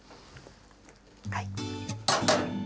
はい。